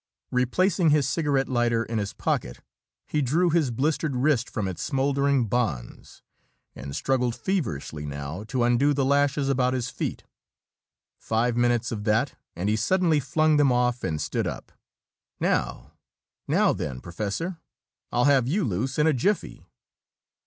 Replacing his cigarette lighter in his pocket, he drew his blistered wrist from its smouldering bonds and struggled feverishly now to undo the lashes about his feet. Five minutes of that and suddenly he flung them off and stood up. "Now! Now then, Professor. I'll have you loose in a jiffy!"